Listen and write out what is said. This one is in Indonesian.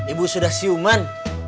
ibu sudah siuman